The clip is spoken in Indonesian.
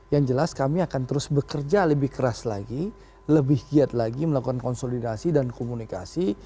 yang jelas kami akan terus bekerja lebih keras lagi lebih giat lagi melakukan konsolidasi dan komunikasi